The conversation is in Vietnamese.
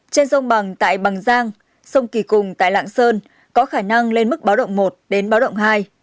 trên sông bằng tại bằng giang sông kỳ cùng tại lạng sơn có khả năng lên mức báo động một đến báo động hai